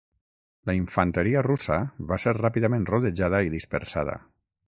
La infanteria russa va ser ràpidament rodejada i dispersada.